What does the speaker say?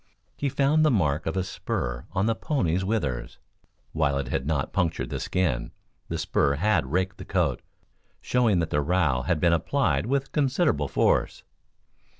He found the mark of a spur on the pony's withers. While it had not punctured the skin, the spur had raked the coat, showing that the rowel had been applied with considerable force.